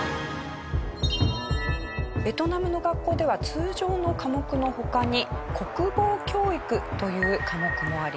ベトナムの学校では通常の科目の他に「国防教育」という科目もあります。